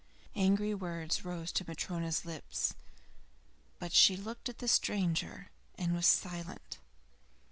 Angry words rose to Matryona's lips, but she looked at the stranger and was silent.